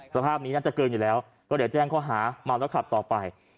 สภาพนี้น่าจะเกินอยู่แล้วก็เดี๋ยวแจ้งข้อหาเมาแล้วขับต่อไป